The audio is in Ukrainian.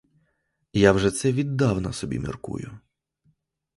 Я вже це віддавна собі міркую.